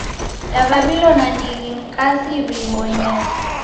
Daw'aw'ilo nandighi ni kazi w'iibonyere.